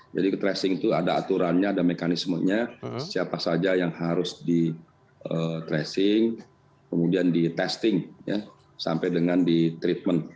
jadi tracing itu ada aturannya ada mekanismenya siapa saja yang harus di tracing kemudian di testing sampai dengan di treatment